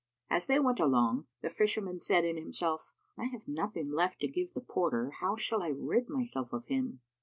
As they went along, the Fisherman said in himself, "I have nothing left to give the porter; how shall I rid myself of him?